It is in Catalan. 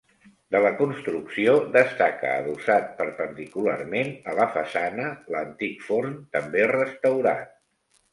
De la construcció destaca adossat perpendicularment a la façana l'antic forn, també restaurat.